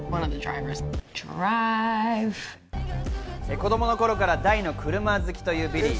子供の頃から大の車好きというビリー。